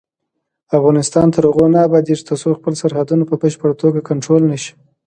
افغانستان تر هغو نه ابادیږي، ترڅو خپل سرحدونه په بشپړه توګه کنټرول نشي.